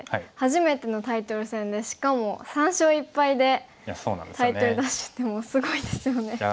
初めてのタイトル戦でしかも３勝１敗でタイトル奪取ってもうすごいですよね。